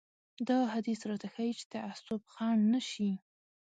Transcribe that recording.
دا حديث راته ښيي چې تعصب خنډ نه شي.